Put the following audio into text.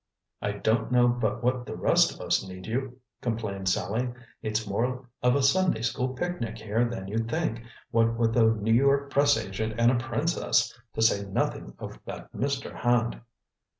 "I don't know but what the rest of us need you," complained Sallie. "It's more of a Sunday school picnic here than you'd think, what with a New York press agent and a princess, to say nothing of that Mr. Hand."